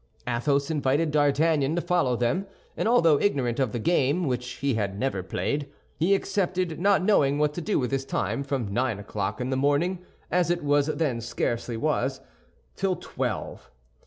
Athos invited D'Artagnan to follow them; and although ignorant of the game, which he had never played, he accepted, not knowing what to do with his time from nine o'clock in the morning, as it then scarcely was, till twelve.